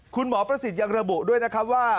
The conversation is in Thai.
ประสิทธิ์ยังระบุด้วยนะครับว่า